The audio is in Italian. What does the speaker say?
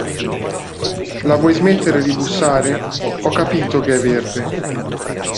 La vuoi smettere di bussare? Ho capito che è verde!